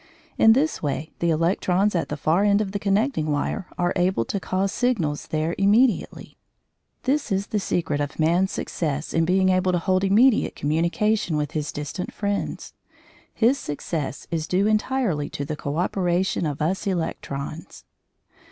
In this way the electrons at the far end of the connecting wire are able to cause signals there immediately. This is the secret of man's success in being able to hold immediate communication with his distant friends. His success is due entirely to the co operation of us electrons.